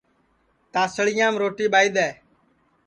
تانٚسݪیام روٹی ٻائھی دؔے